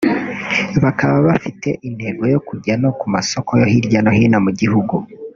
bakaba bafite intego yo kujya no ku masoko yo hirya no hino mu gihugu